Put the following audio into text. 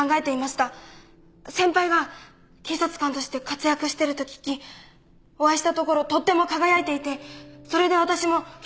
先輩が警察官として活躍してると聞きお会いしたところとっても輝いていてそれで私も警察官に。